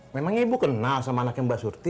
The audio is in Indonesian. memang ibu kenal sama anaknya mbak surti